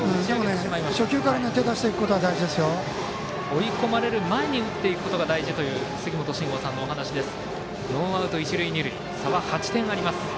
追い込まれる前に打っていくことが大事だという杉本真吾さんのお話です。